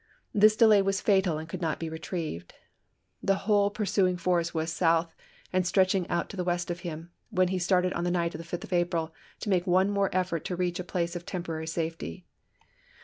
" This delay was fatal and could not be retrieved." 1 The whole pursuing force was south and stretching out to the west of him, when he started on the night of the 5th of April to make 1865. one more effort to reach a place of temporary safety.